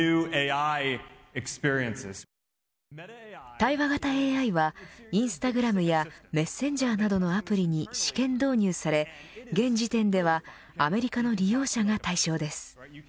対話型ＡＩはインスタグラムやメッセンジャーなどのアプリに試験導入され現時点ではアメリカの利用者が対象です。